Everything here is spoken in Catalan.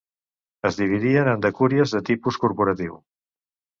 Es dividien en decúries de tipus corporatiu.